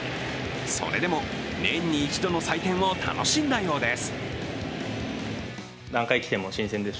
それでも、年に一度の祭典を楽しんだようです。